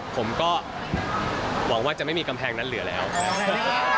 ผมก็หวังว่าจะไม่มีกำแพงนั้นเหลือแล้วนะครับ